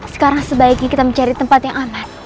sekarang sebaiknya kita mencari tempat yang aman